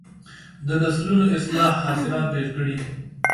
د نسلونو اصلاح حاصلات ډیر کړي.